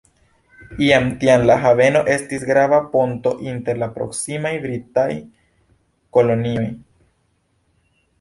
Jam tiam la haveno estis grava ponto inter la proksimaj britaj kolonioj.